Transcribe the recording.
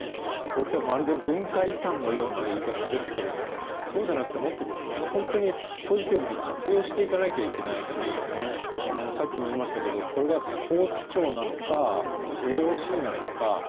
これはまるで文化遺産のような言い方ですがそうじゃなくてもっと本当にポジティブに活用していかなきゃいけないのにさっきも言いましたがこれがスポーツ庁なのかＪＯＣなのか。